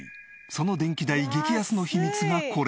その電気代激安の秘密がこれ！